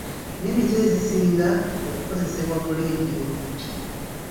Nnimi ki ezisinga okukozesebwa ku leediyo?